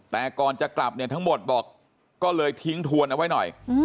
แต่ก่อนจะกลับเนี่ยทั้งหมดบอกก็เลยทิ้งทวนเอาไว้หน่อย